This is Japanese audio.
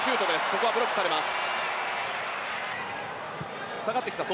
ここはブロックされます。